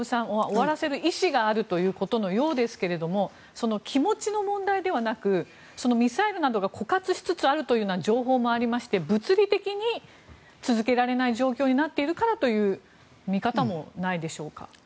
終わらせる意思があるということのようですが気持ちの問題ではなくミサイルなどが枯渇しつつあるというような情報もありまして物理的に続けられない状況になっているからという見方もないでしょうか？